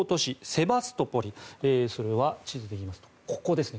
セバストポリそれは地図で言いますとここですね。